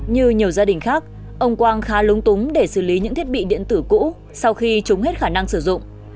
như nhiều gia đình khác ông quang khá lúng túng để xử lý những thiết bị điện tử cũ sau khi chúng hết khả năng sử dụng